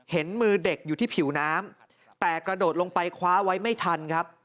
เห็นมือเด็กอยู่ที่ผิวน้ำแต่กระโดดลงไปคว้าไว้ไม่ทันครับ